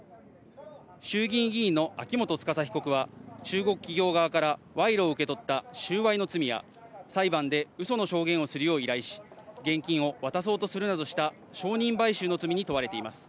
衆議院議員の秋元司被告は中国企業側から賄賂を受け取った収賄の罪や裁判で嘘の証言をするよう依頼し、現金を渡そうとするなどした証人買収の罪に問われています。